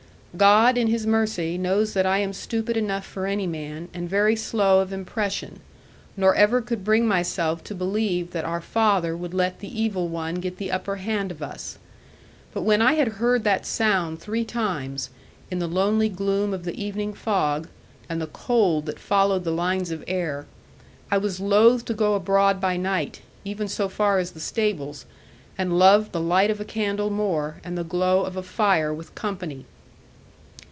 God, in His mercy, knows that I am stupid enough for any man, and very slow of impression, nor ever could bring myself to believe that our Father would let the evil one get the upper hand of us. But when I had heard that sound three times, in the lonely gloom of the evening fog, and the cold that followed the lines of air, I was loath to go abroad by night, even so far as the stables, and loved the light of a candle more, and the glow of a fire with company.